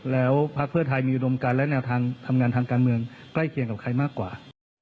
และนำตามงานทางการเมืองกก็ใกล้เคียงกับใครมากกว่า